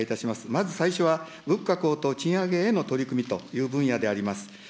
まず最初は、物価高騰、賃上げへの取り組みという分野であります。